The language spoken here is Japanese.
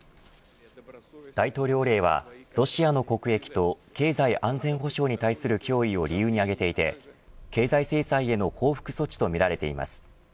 大統領令はロシアの国益と経済安全保障に対する脅威を理由に挙げていて経済制裁への報復措置とみられています。